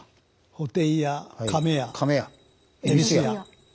「布袋屋」「亀屋」「恵比須屋」。